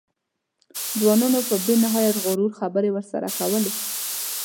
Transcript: ځوانانو په بې نهایت غرور خبرې ورسره کولې.